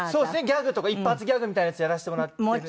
ギャグとか一発ギャグみたいなやつやらせてもらってる。